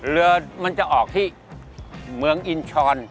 เรือมันจะออกที่เมืองอินชร